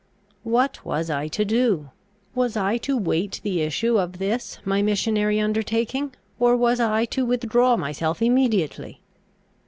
What was I to do? Was I to wait the issue of this my missionary undertaking, or was I to withdraw myself immediately?